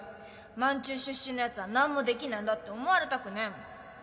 萬中出身のやつは何もできねえんだって思われたくねえもん